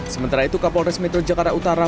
sementara itu kapolres metro jakarta utara